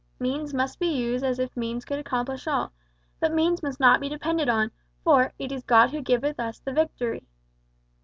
Means must be used as if means could accomplish all, but means must not be depended on, for `it is God who giveth us the victory.'